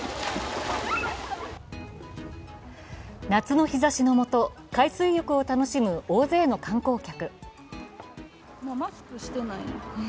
夏の日ざしのもと、海水浴を楽しむ大勢の観光客。